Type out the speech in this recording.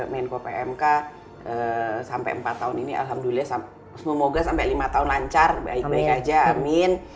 menko pmk sampai empat tahun ini alhamdulillah semoga sampai lima tahun lancar baik baik aja amin